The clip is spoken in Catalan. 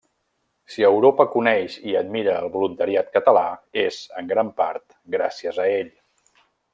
Si Europa coneix i admira el voluntariat català és -en gran part- gràcies a ell.